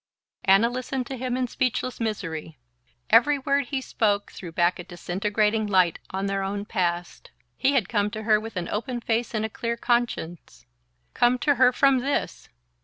Anna listened to him in speechless misery. Every word he spoke threw back a disintegrating light on their own past. He had come to her with an open face and a clear conscience come to her from this!